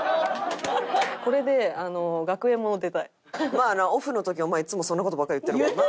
まあなオフの時お前いつもそんな事ばっか言ってるもんな。